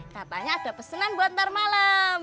katanya ada pesanan buat ntar malam